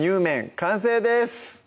完成です